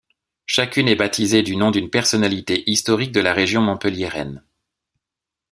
Chacune est baptisée du nom d'une personnalité historique de la région montpelliéraine.